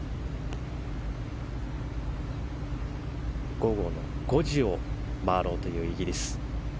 午後の５時を回ろうというイギリス。